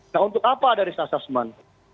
nah untuk apa dari sasasman